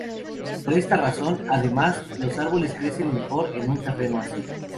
Por esta razón, además, los árboles crecen mejor en un terreno así.